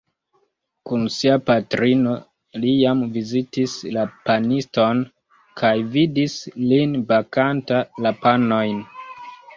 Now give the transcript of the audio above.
Kun sia patrino li jam vizitis la paniston kaj vidis lin bakanta la panojn.